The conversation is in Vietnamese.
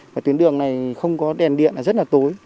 và tuyến đường này không có đèn điện rất là tối